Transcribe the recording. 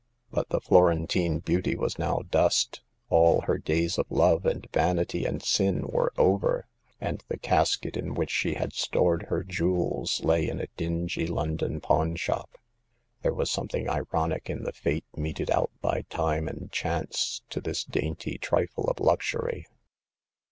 But the Florentine beauty was now dust ; all her days of love and vanity and sin were over ; and the casket in which she had stored her jewels lay in a dingy London pawn shop. There was something ironic in the fate meted out by Time and Chance to this dainty trifle of luxury.